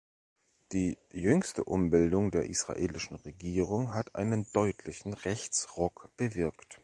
Die jüngste Umbildung der israelischen Regierung hat einen deutlichen Rechtsruck bewirkt.